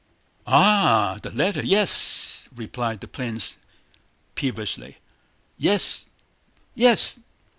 "Ah, the letter? Yes..." replied the prince peevishly. "Yes... yes..."